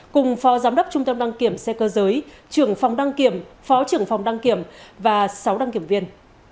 cùng phó giám đốc trung tâm đăng kiểm xe cơ giới trưởng phòng đăng kiểm phó trưởng phòng đăng kiểm và sáu đăng kiểm viên